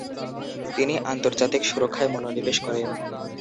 তিনি আন্তর্জাতিক সুরক্ষায় মনোনিবেশ করেন।